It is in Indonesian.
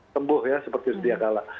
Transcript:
tembuh ya seperti setiap kala